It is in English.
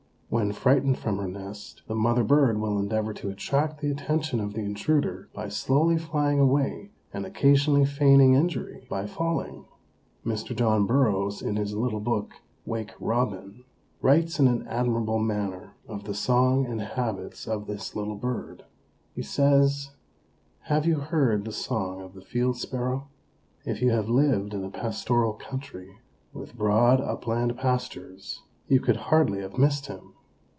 When frightened from her nest the mother bird will endeavor to attract the attention of the intruder by slowly flying away and occasionally feigning injury by falling. Mr. John Burroughs, in his little book, "Wake Robin," writes in an admirable manner of the song and habits of this little bird. He says: "Have you heard the song of the Field Sparrow? If you have lived in a pastoral country, with broad upland pastures, you could hardly have missed him.